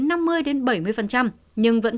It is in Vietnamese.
nhưng vẫn trong tình trạng